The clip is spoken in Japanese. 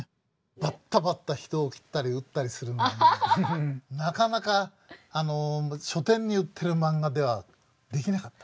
バッタバッタ人を斬ったり撃ったりするんでなかなか書店に売ってるマンガではできなかった。